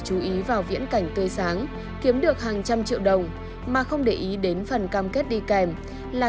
chú ý vào viễn cảnh tươi sáng kiếm được hàng trăm triệu đồng mà không để ý đến phần cam kết đi kèm là